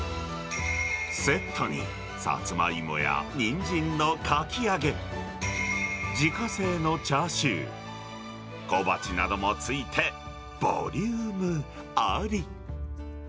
セットにサツマイモやニンジンのかき揚げ、自家製のチャーシュー、小鉢などもついてボリュームあり。